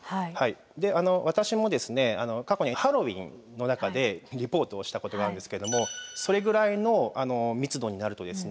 で私も過去にハロウィーンの中でリポートをしたことがあるんですけどもそれぐらいの密度になるとですね